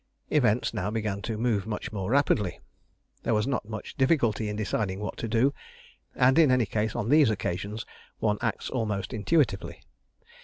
Events now began to move much more rapidly. There was not much difficulty in deciding what to do, and in any case, on these occasions one acts almost intuitively.